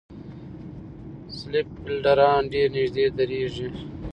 سلیپ فېلډران ډېر نږدې درېږي.